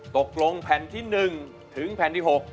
ตกลงแผ่นที่๑ถึงแผ่นที่๖